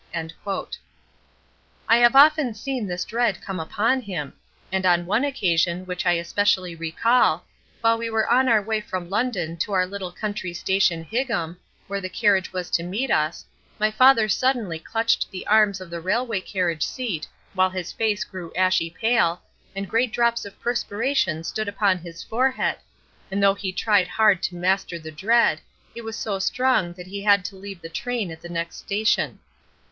I have often seen this dread come upon him, and on one occasion, which I especially recall, while we were on our way from London to our little country station "Higham," where the carriage was to meet us, my father suddenly clutched the arms of the railway carriage seat, while his face grew ashy pale, and great drops of perspiration stood upon his forehead, and though he tried hard to master the dread, it was so strong that he had to leave the train at the next station.